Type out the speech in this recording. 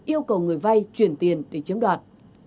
yêu cầu người vay chuyển tiền để chiếm đoạt